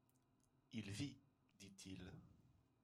Il vit, dit-il.